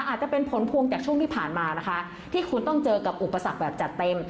อาจจะเป็นผลพวงจากช่วงที่ผ่านมานะคะที่คุณต้องเจอกับอุปสรรคแบบจัดเต็ม